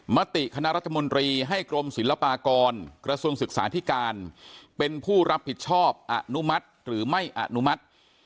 มติคณะรัฐมนตรีให้กรมศิลปากรกระทรวงศึกษาธิการเป็นผู้รับผิดชอบอนุมัติหรือไม่อนุมัติ